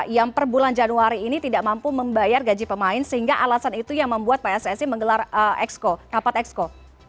yang per bulan januari ini tidak mampu membayar gaji pemain sehingga alasan itu yang membuat pssi menggelar kapat exco